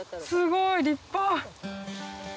すごい立派！